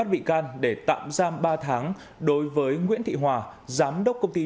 vé xem phim trên mạng xã hội